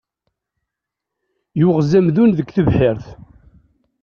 Yuɣez amdun deg tebḥirt.